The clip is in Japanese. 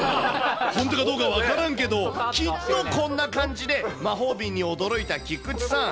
ほんとかどうか分からんけど、きっとこんな感じで魔法瓶に驚いた菊池さん。